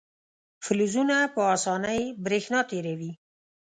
فلزونه په اسانۍ برېښنا تیروي.